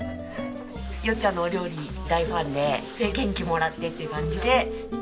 よっちゃんのお料理大ファンで元気もらってっていう感じで。